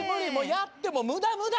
やっても無駄無駄。